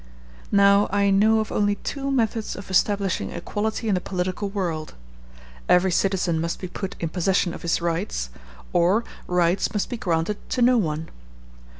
Now I know of only two methods of establishing equality in the political world; every citizen must be put in possession of his rights, or rights must be granted to no one.